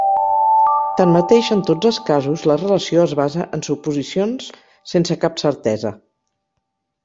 Tanmateix, en tots els casos la relació es basa en suposicions sense cap certesa.